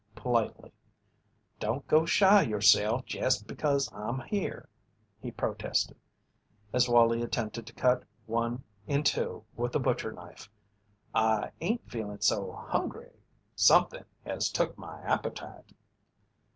Politely. "Don't go shy yourself jest because I'm here," he protested, as Wallie attempted to cut one in two with the butcher knife. "I ain't feelin' so hungry somethin' has took my appetite."